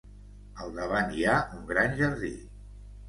Al davant hi ha un gran jardí.